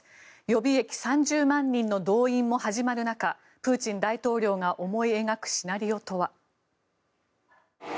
予備役３０万人の動員も始まる中プーチン大統領が思い描くシナリオとは？